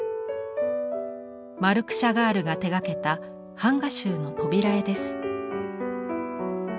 マルク・シャガールが手がけた版画集の扉絵です。